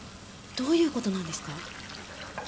どういう事なんですか？